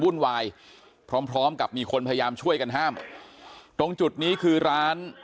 วุ่นวายพร้อมพร้อมกับมีคนพยายามช่วยกันห้ามตรงจุดนี้คือร้าน